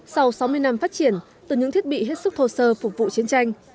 sau sáu mươi năm phát triển từ những thiết bị hết sức thô sơ phục vụ chiến tranh